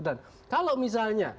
dan kalau misalnya